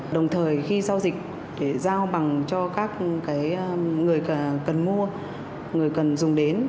đồng thời khi giao dịch để giao bằng cho các người cần mua người cần dùng đến